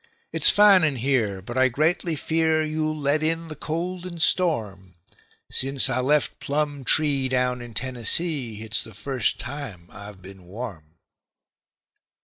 It's fine in here, but I greatly fear you'll let in the cold and storm Since I left Plumtree, down in Tennessee, it's the first time I've been warm."